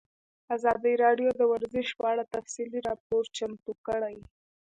ازادي راډیو د ورزش په اړه تفصیلي راپور چمتو کړی.